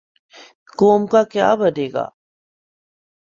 قوم کا کیا بنے گا؟